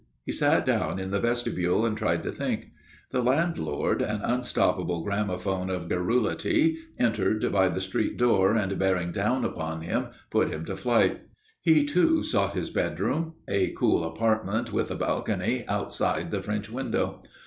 He sat down in the vestibule and tried to think. The landlord, an unstoppable gramophone of garrulity, entering by the street door and bearing down upon him, put him to flight. He, too, sought his bedroom, a cool apartment with a balcony outside the French window.